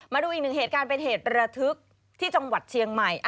มาดูอีกหนึ่งเหตุการณ์เป็นเหตุระทึกที่จังหวัดเชียงใหม่